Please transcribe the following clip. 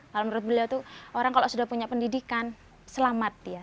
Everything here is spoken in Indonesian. kalau menurut beliau itu orang kalau sudah punya pendidikan selamat ya